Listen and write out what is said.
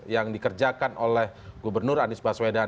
yang dikerjakan oleh gubernur anies baswedan